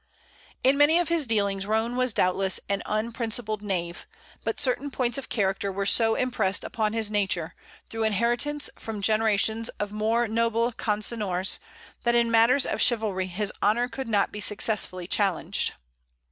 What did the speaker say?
In many of his dealings Roane was doubtless an unprincipled knave; but certain points of character were so impressed upon his nature, through inheritance from generations of more noble Consinors, that in matters of chivalry his honor could not be successfully challenged.